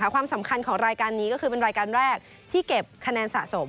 ความสำคัญของรายการนี้ก็คือเป็นรายการแรกที่เก็บคะแนนสะสม